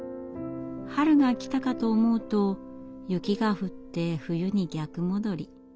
春が来たかと思うと雪が降って冬に逆戻り。